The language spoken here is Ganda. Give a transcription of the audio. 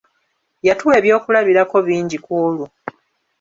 Yatuwa eby'okulabirako bingi kwolwo.